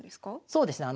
そうですね